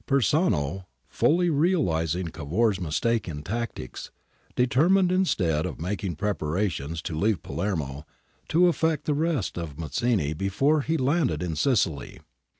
Persano, fully re alising Cavour's mistake in tactics, determined, instead of making preparations to leave Palermo, to effect the arrest of Mazzini before he landed in Sicily.